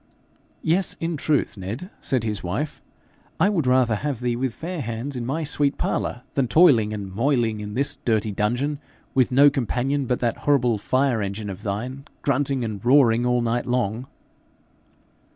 'Yes, in truth, Ned,' said his wife, 'I would rather have thee with fair hands in my sweet parlour, than toiling and moiling in this dirty dungeon, with no companion but that horrible fire engine of thine, grunting and roaring all night long.'